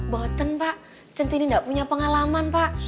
boten pak centini nggak punya pengalaman pak